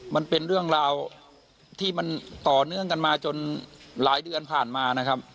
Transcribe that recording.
มันเป็นเรื่องราวที่มันต่อเนื่องกันมาจนหลายเดือนผ่านมานะครับ